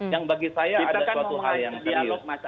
yang bagi saya ada suatu hal yang serius